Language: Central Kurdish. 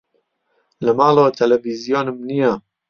لە ماڵەوە تەلەڤیزیۆنم نییە.